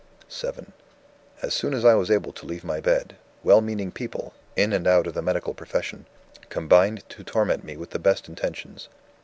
'" VII "As soon as I was able to leave my bed, well meaning people, in and out of the medical profession, combined to torment me with the best intentions.